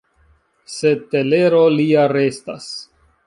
Sed telero lia restas.